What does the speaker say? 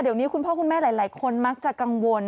เดี๋ยวนี้คุณพ่อคุณแม่หลายคนมักจะกังวล